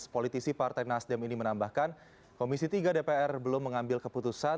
politisi partai nasdem ini menambahkan komisi tiga dpr belum mengambil keputusan